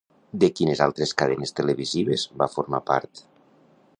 De quines altres cadenes televisives va formar part?